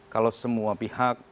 kalau semua pihak